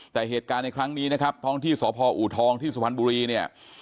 แต่เหตุการณ์ในครั้งนี้นะครับท้องที่สพอูทองที่สุพรรณบุรีเนี่ย